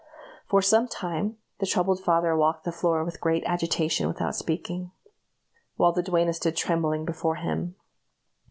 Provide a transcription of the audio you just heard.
For some time the troubled father walked the floor with great agitation without speaking, while the duenna stood trembling before him.